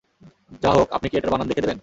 যাহোক, আপনি কি এটার বানান দেখে দেবেন?